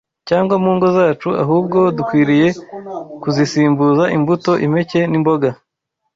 cyangwa mu ngo zacu, ahubwo dukwiriye kuzisimbuza imbuto, impeke, n’imboga